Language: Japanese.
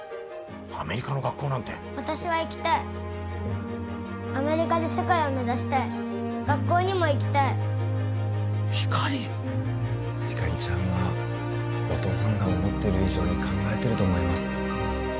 アメリカの学校なんて私は行きたいアメリカで世界を目指したい学校にも行きたいひかりひかりちゃんはお父さんが思ってる以上に考えてると思います